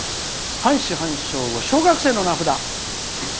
半死半生語「小学生の名札」。